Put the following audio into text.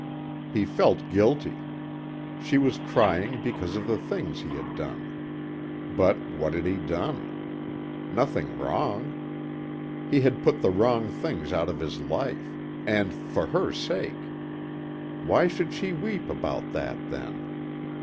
He felt guilty. She was crying because of the things he had done. But what had he done? Nothing wrong. He had put the wrong things out of his life. And for her sake. Why should she weep about that, then?